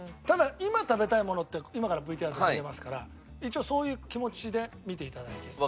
ただ今食べたいものって今からＶＴＲで見れますから一応そういう気持ちで見て頂いて。